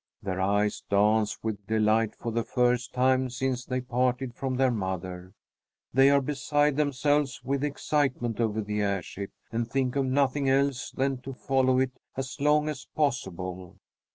Their eyes dance with delight for the first time since they parted from their mother. They are beside themselves with excitement over the airship and think of nothing else than to follow it as long as possible.